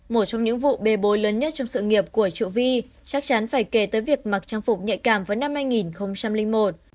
một trong những vụ bê bối lớn nhất trong sự nghiệp của triệu vi chắc chắn phải kể tới việc mặc trang phục nhạy cảm vào năm hai nghìn một